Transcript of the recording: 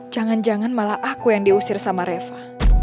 jangan jangan malah aku yang diusir sama reva